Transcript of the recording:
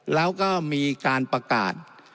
แล้วก็มีการประกาศ